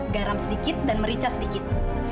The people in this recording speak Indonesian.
garam sedikit dan merica sedikit